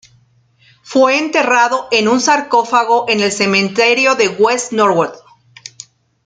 Fue enterrado en un sarcófago en el Cementerio de West Norwood.